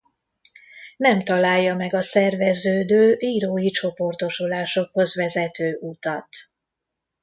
Nem találja meg a szerveződő írói csoportosulásokhoz vezető utat.